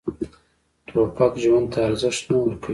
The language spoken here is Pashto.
توپک ژوند ته ارزښت نه ورکوي.